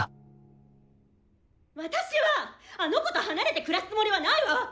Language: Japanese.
私はあの子と離れて暮らすつもりはないわ！